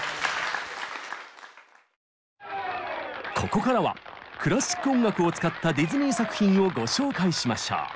ここからはクラシック音楽を使ったディズニー作品をご紹介しましょう。